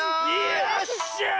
よっしゃい！